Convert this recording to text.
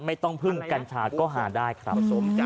ไม่ต้องพึ่งกัญชาก็หาได้ครับ